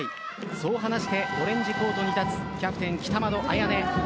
そう話してオレンジコートに立つキャプテン・北窓絢音。